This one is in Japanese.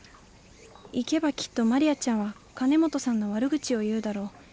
行けばきっとマリアちゃんは金本さんの悪口を言うだろう。